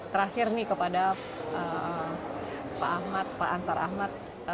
terakhir nih kepada pak ahmad pak ansar ahmad